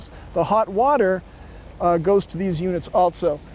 air panas juga datang ke unit ini